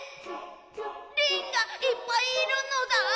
リンがいっぱいいるのだ？